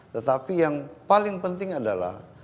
tetapi yang paling penting adalah